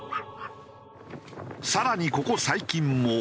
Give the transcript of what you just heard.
更にここ最近も。